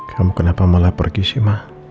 kamu kenapa malah pergi sih ma